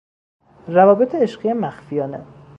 روابط عشقی مخفیانه